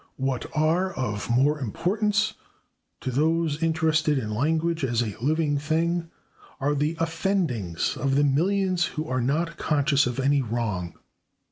What are of more importance, to those interested in language as a living thing, are the offendings of the millions who are not conscious of any wrong.